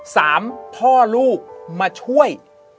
สามพ่อลูกมาช่วย